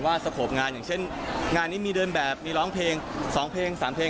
สโขปงานอย่างเช่นงานนี้มีเดินแบบมีร้องเพลง๒เพลง๓เพลง